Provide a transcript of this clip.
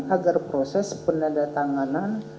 agar proses penandatanganan